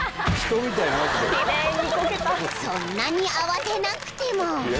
［そんなに慌てなくても］